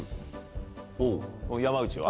山内は？